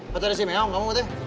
pacar si meong kamu gitu ya